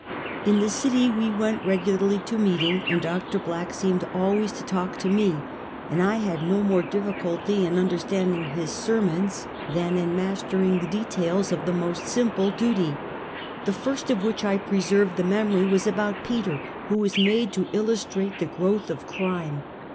In the city we went regularly to meeting, and Dr. Black seemed always to talk to me, and I had no more difficulty in understanding his sermons, than in mas Father's Death, 19 tering the details of the most simple duty. The first of which I preserve the memory was about Peter, who was made to illustrate the growth of crime.